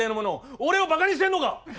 俺をばかにしてるのか！